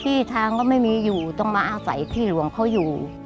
ที่ทางก็ไม่มีอยู่ต้องมาอาศัยที่หลวงเขาอยู่